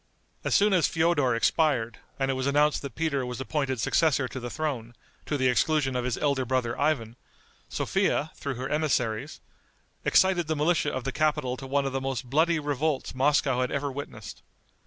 As soon as Feodor expired, and it was announced that Peter was appointed successor to the throne, to the exclusion of his elder brother Ivan, Sophia, through her emissaries, excited the militia of the capital to one of the most bloody revolts Moscow had ever witnessed.